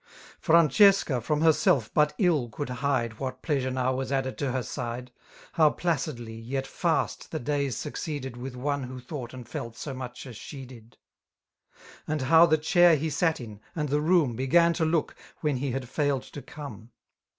Francesca from herself but iU could hide What pleasure now was added to her sidoj * How pladdly, yet hst, the days succeeded With one who thought and felt so much as she did^ — And how the chair he sat in, and the room. Began to look, when he had foiled to come.